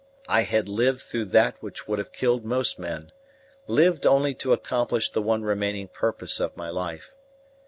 I had lived through that which would have killed most men lived only to accomplish the one remaining purpose of my life.